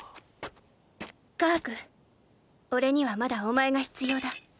カハクおれにはまだお前が必要だ。